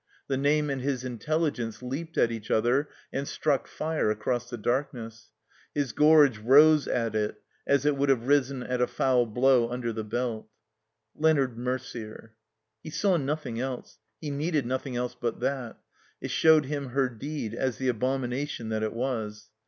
Hie name and his intelligence leaped at each other and struck fire across the darkness. His gorge rose at it as it wovdd have risen at a foul blow under the belt. Leonard Mercier; he saw nothing else; he needed nothing else but that; it showed him her deed as the abomination that it was.